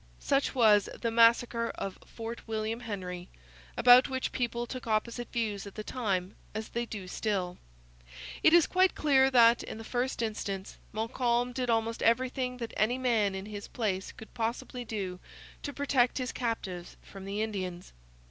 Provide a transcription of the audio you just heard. Such was the 'massacre of Fort William Henry,' about which people took opposite views at the time, as they do still. It is quite clear that, in the first instance, Montcalm did almost everything that any man in his place could possibly do to protect his captives from the Indians.